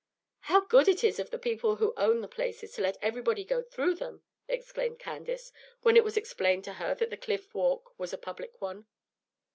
"How good it is of the people who own the places to let everybody go through them!" exclaimed Candace, when it was explained to her that the Cliff walk was a public one.